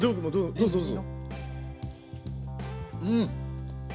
どうぞどうぞ。